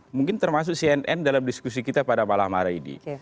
mungkin termasuk cnn dalam diskusi kita pada malam hari ini